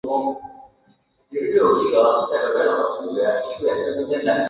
兰屿野樱花为蔷薇科梅属下的一个种。